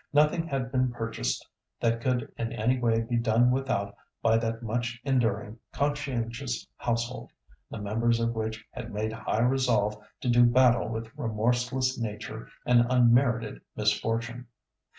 Nothing had been purchased that could in any way be done without by that much enduring, conscientious household, the members of which had made high resolve to do battle with remorseless Nature and unmerited misfortune.